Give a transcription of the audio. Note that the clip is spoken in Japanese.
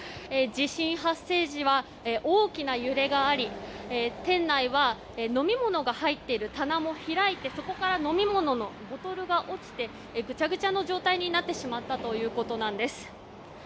地震発生時は大きな揺れがあり、店内は飲み物が入っている棚も開いてそこから飲み物のボトルが落ちてぐちゃぐちゃの状態になってしまったということです。